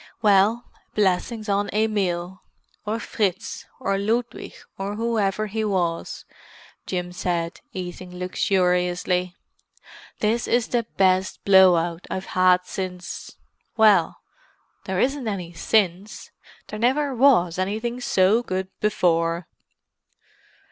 "Well, blessings on Emil, or Fritz, or Ludwig, or whoever he was," Jim said, eating luxuriously. "This is the best blow out I've had since—well, there isn't any since, there never was anything so good before!"